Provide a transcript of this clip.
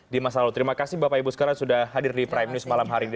di masa lalu terima kasih bapak ibu sekarang sudah hadir di prime news malam hari ini